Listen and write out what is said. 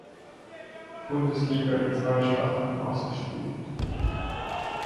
Bundesliga in zwei Staffeln ausgespielt.